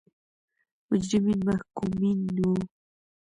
مجرمین محکومین وو.